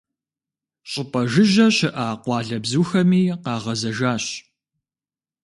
ЩӀыпӀэ жыжьэ щыӀа къуалэбзухэми къагъэзэжащ.